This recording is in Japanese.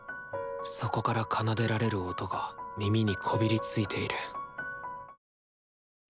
そこから奏でられる音が耳にこびりついている。